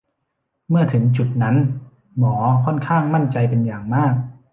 เมื่อถึงจุดนั้น หมอค่อนข้างมั่นใจเป็นอย่างมาก